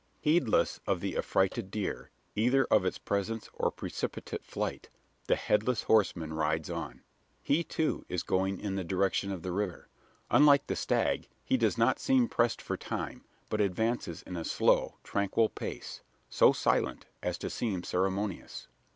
Heedless of the affrighted deer either of its presence, or precipitate flight the Headless Horseman rides on. He, too, is going in the direction of the river. Unlike the stag, he does not seem pressed for time; but advances in a slow, tranquil pace: so silent as to seem ceremonious.